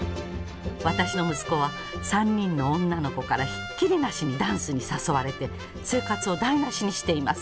私の息子は３人の女の子からひっきりなしにダンスに誘われて生活を台なしにしています。